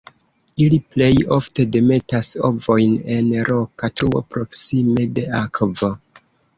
Ili plej ofte demetas ovojn en roka truo proksime de akvo.